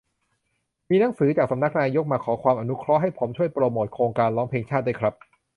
มีหนังสือจากสำนักนายกมา "ขอความอนุเคราะห์" ให้ผมช่วยโปรโมตโครงการร้องเพลงชาติด้วยครับ -"